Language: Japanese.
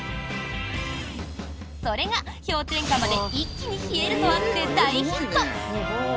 それが氷点下まで一気に冷えるとあって大ヒット。